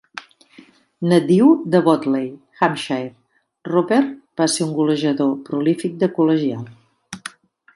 Nadiu de Botley (Hampshire), Roper va ser un golejador prolífic de col·legial.